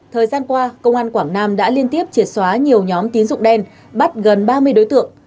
thời gian qua công an quảng nam đã liên tiếp triệt xóa nhiều nhóm tín dụng đen bắt gần ba mươi đối tượng